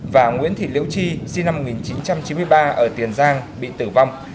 và nguyễn thị liễu chi sinh năm một nghìn chín trăm chín mươi ba ở tiền giang bị tử vong